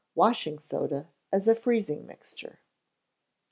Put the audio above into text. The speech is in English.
Washing Soda as a Freezing Mixture.